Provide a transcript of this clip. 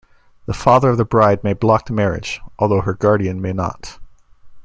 The father of the bride may block the marriage, although her guardian may not.